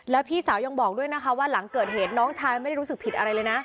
แล้วพี่สาวยังบอกด้วยนะคะว่าหลังเกิดเหตุน้องชายไม่ได้รู้สึกผิดอะไรเลยนะ